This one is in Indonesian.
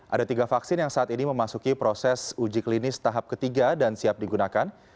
ada tiga vaksin yang saat ini memasuki proses uji klinis tahap ketiga dan siap digunakan